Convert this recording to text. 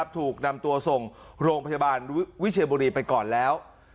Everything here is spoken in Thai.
ถูกนำตัวส่งโรงพยาบาลวิเชียบุรีไปก่อนแล้ว